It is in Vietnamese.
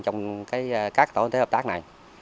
trong các tổ kinh tế hợp tác này